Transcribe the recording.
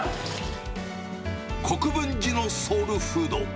国分寺のソウルフード。